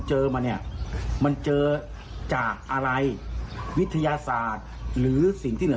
เจอมาเนี่ยมันเจอจากอะไรวิทยาศาสตร์หรือสิ่งที่เหลือ